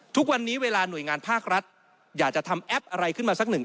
ทุกวันนี้เวลาหน่วยงานภาครัฐอยากจะทำแอปอะไรขึ้นมาสักหนึ่ง